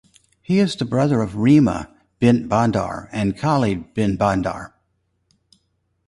He is the brother of Reema bint Bandar and Khalid bin Bandar.